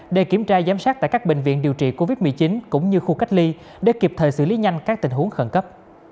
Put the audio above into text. để kiểm tra giám sát tại các bệnh viện điều trị covid một mươi chín cũng như khu cách ly để kịp thời xử lý nhanh các tình huống khẩn cấp